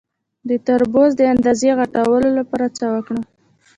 د تربوز د اندازې غټولو لپاره څه وکړم؟